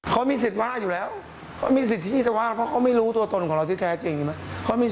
เขามีสิทธิศว่าอยู่แล้วเขามีสิทธิศว่าเพราะเขามีรู้ตัวตนที่รักจริงมั้น